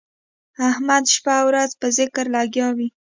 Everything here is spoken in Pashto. احمد شپه او ورځ په ذکر لګیا وي.